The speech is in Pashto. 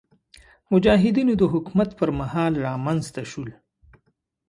مجاهدینو د حکومت پر مهال رامنځته شول.